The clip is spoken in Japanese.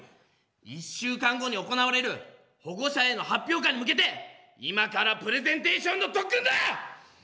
１週間後に行われる保護者への発表会に向けて今からプレゼンテーションの特訓だ！